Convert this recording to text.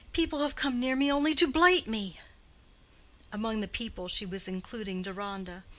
People have come near me only to blight me." Among the "people" she was including Deronda.